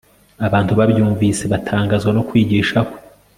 abantu babyumvise batangazwa no kwigisha kwe